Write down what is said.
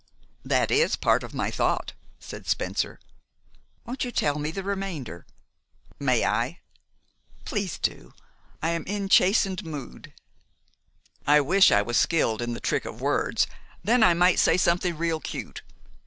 "That is part of my thought," said Spencer. "Won't you tell me the remainder?" "May I?" "Please do. I am in chastened mood." "I wish I was skilled in the trick of words, then I might say something real cute.